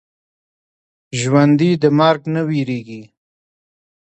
ژوندي د مرګ نه وېرېږي